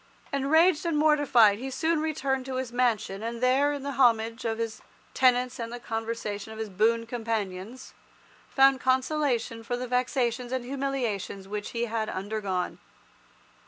Enraged and mortified, he soon returned to his mansion, and there, in the homage of his tenants and the conversation of his boon companions, found consolation for the vexations and humiliations which he had undergone.